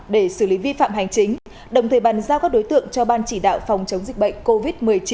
để xử lý vi phạm hành chính đồng thời bàn giao các đối tượng cho ban chỉ đạo phòng chống dịch bệnh covid một mươi chín